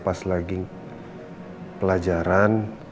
pas lagi pelajaran